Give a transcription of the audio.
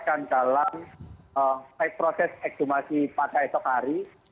dan dalam proses ekshumasi pada esok hari